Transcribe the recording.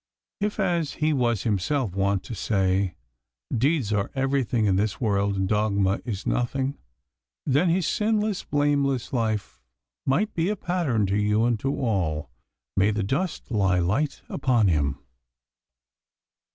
If, as he was himself wont to say, deeds are everything in this world and dogma is nothing, then his sinless, blameless life might be a pattern to you and to all. May the dust lie light upon him!